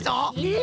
え！